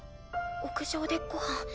屋上でご飯。